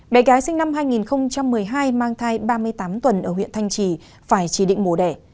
bé gái sinh năm hai nghìn một mươi hai mang thai ba mươi tám tuần ở huyện thanh trì phải chỉ định mổ đẻ